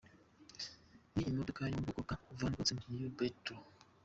Ni imodoka yo mu bwoko bwa Volkswagen New Beetle.